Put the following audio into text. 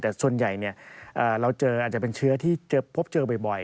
แต่ส่วนใหญ่เราเจออาจจะเป็นเชื้อที่พบเจอบ่อย